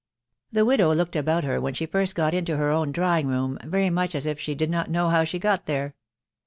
The widow looked about her when she first got into her own drawing room very much as if she did not know how she got there.